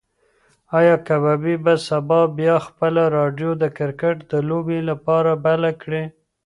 ایا کبابي به سبا بیا خپله راډیو د کرکټ د لوبې لپاره بله کړي؟